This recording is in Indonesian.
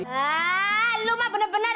hah lu mah bener bener